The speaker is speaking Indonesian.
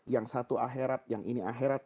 yang satu akhirat yang ini akhirat